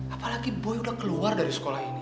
apalagi boy udah keluar dari sekolah ini